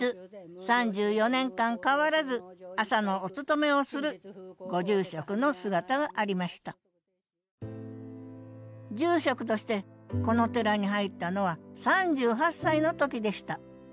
３４年間変わらず朝のお勤めをするご住職の姿がありました住職としてこの寺に入ったのは３８歳の時でした。